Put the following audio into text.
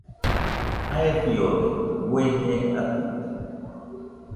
Jae fiodaite bueñe atɨite